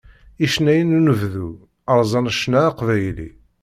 Icennayen n unebdu rẓan ccna aqbayli.